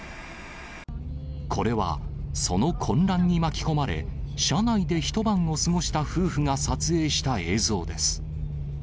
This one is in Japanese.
これは、その混乱に巻き込まれ、車内で一晩を過ごした夫婦が撮影した映像です。